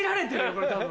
これ多分。